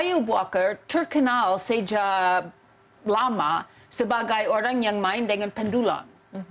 ayu buaker terkenal sejak lama sebagai orang yang main dengan pendulang